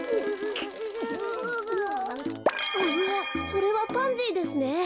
それはパンジーですね。